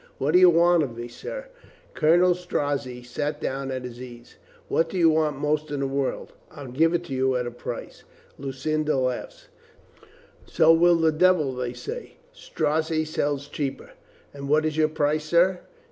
"What do you want of me, sir?" Colonel Strozzi sat down at his ease. "What do you want most in the world? I'll give it you at a price." Lucinda laughed. "So will the devil, they say." "Strozzi sells cheaper." "And what is your price, sir?"